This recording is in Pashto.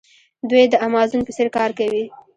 دوی د امازون په څیر کار کوي.